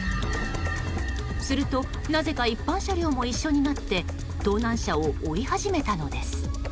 すると、なぜか一般車両も一緒になって盗難車を追い始めたのです。